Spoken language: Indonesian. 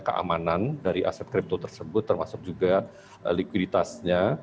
keamanan dari aset kripto tersebut termasuk juga likuiditasnya